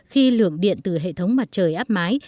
khi lượng điện từ hệ thống mặt trời áp mái